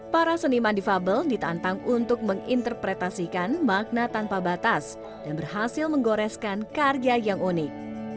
para seniman difabel ditantang untuk menginterpretasikan makna tanpa batas dan berhasil menggoreskan karya yang unik